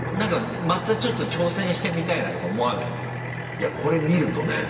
いやこれ見るとね。